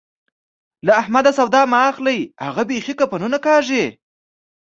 له احمده سودا مه اخلئ؛ هغه بېخي کفنونه کاږي.